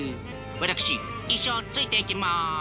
私一生ついていきます。